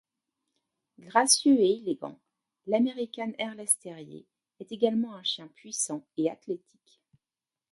Gracieux et élégant, l'American Hairless terrier est également un chien puissant et athlétique.